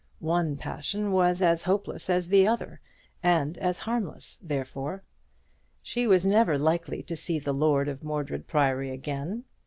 One passion was as hopeless as the other, and as harmless therefore. She was never likely to see the lord of Mordred Priory again.